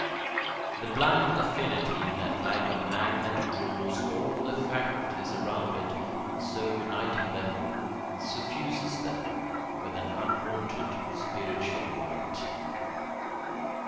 The blind affinity that like a magnet draws all the faculties around it, in so uniting them, suffuses them with an unwonted spiritual light.